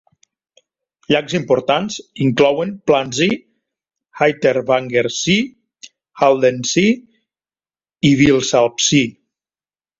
Llacs importants inclouen Plansee, Heiterwanger See, Haldensee i Vilsalpsee.